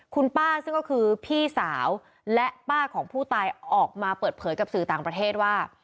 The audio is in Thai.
คุณป้าซึ่งก็คือพี่สาวและป้าของผู้ตายออกมาเปิดเผยกับสื่อต่างประเทศว่า